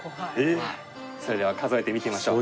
それでは数えて見てみましょう。